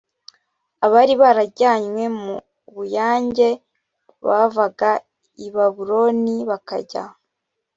abari barajyanywe mu bunyage bavaga i babuloni bakajya